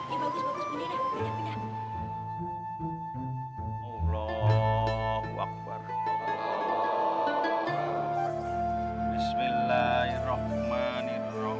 iya bagus bagus pindah deh pindah